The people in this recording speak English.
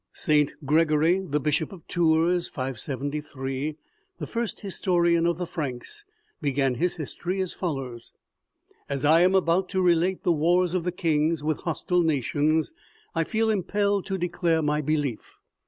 St. Gregory, bishop of Tours (573), the first historian of the Franks, began his history as follows :" As I am about to relate the wars of the kings with hostile nations, I feel impelled to declare my belief.